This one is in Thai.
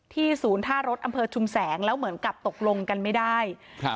ศูนย์ท่ารถอำเภอชุมแสงแล้วเหมือนกับตกลงกันไม่ได้ครับ